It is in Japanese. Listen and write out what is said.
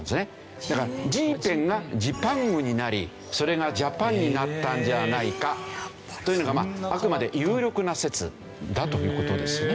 だからジーペンがジパングになりそれがジャパンになったんじゃないかというのがあくまで有力な説だという事ですね。